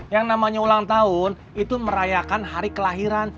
yang namanya ulang tahun itu merayakan hari kelahiran